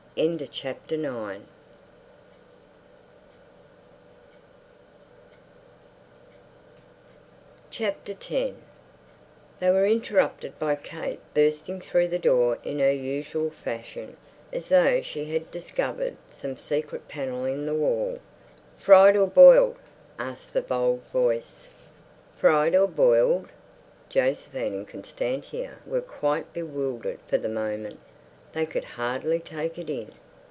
X They were interrupted by Kate bursting through the door in her usual fashion, as though she had discovered some secret panel in the wall. "Fried or boiled?" asked the bold voice. Fried or boiled? Josephine and Constantia were quite bewildered for the moment. They could hardly take it in.